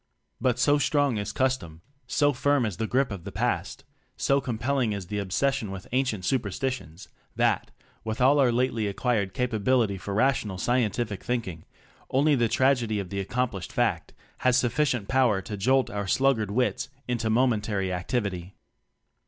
But so strong is custom, so firm is the grip of the past, so compelling is the obses sion of ancient superstitions, that with all our lately acquired capa bility for rational scientific thinking only the tragedy of the accom plished fact has sufficient power to jolt our sluggard wits into momen tary activity.